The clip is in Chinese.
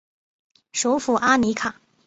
首府阿里卡。